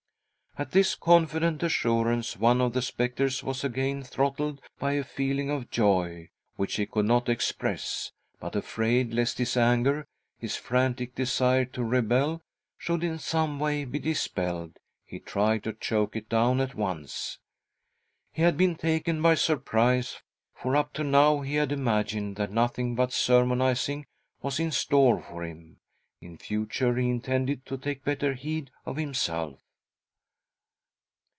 At this confident assurance, one of the spectres >—,,, 1 ■ 74 THY SOUL SHALL BEAR WITNESS ! was again throttled by a feeling of joy which he could not express, but, afraid lest his anger, his frantic desire to rebel, should in some way be dis pelled, he tried to choke it down at once. He had been taken by surprise, for up to now he had imagined that nothing but sermonising was in store for him. In future he intended to take better heed of himself.